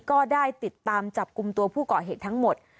ก็ได้ติดตามจับกลุ่มตัวผู้ก่อเหตุทั้งหมด